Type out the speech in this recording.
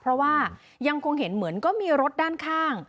เพราะว่ายังคงเห็นเหมือนก็มีรถด้านข้าง